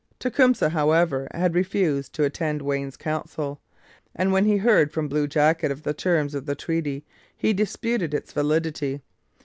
Tecumseh, however, had refused to attend Wayne's council, and when he heard from Blue Jacket of the terms of the treaty, he disputed its validity.